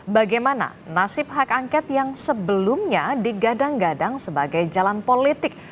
bagaimana nasib hak angket yang sebelumnya digadang gadang sebagai jalan politik